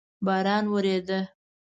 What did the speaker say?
باران ودرېده